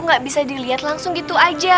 gak bisa dilihat langsung gitu aja